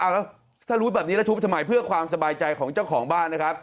แล้วถ้ารู้แบบนี้แล้วทุบทำไมเพื่อความสบายใจของเจ้าของบ้านนะครับ